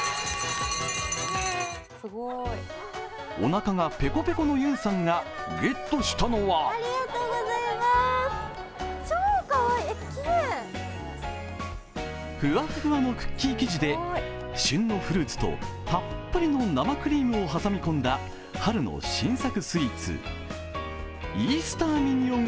おなかがペコペコのゆんさんがゲットしたのはふわっふわのクッキー生地で旬のフルーツとたっぷりの生クリームを挟み込んだ春の新作スイーツ、イースター・ミニオン・